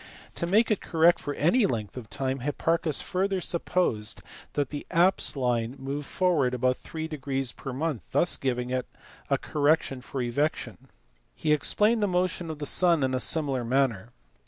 To make it correct for any length of time Hipparchus further supposed that the apse line moved forward about 3 a month, thus giving a correction for evection. He explained the motion of the sun in a similar manner.